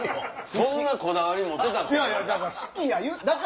そんなこだわり持ってたっけ？